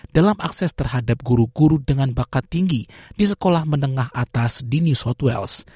dalam akses terhadap guru guru dengan bakat tinggi di sekolah menengah atas di new south wales